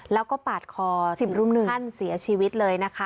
แล้วก็ปาดคอ๑๐ท่านเสียชีวิตเลยนะคะ